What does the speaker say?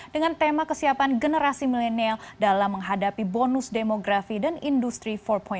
dengan tema kesiapan generasi milenial dalam menghadapi bonus demografi dan industri empat